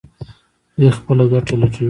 دوی خپله ګټه لټوي.